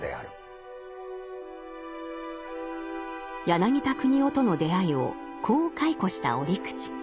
柳田国男との出会いをこう回顧した折口。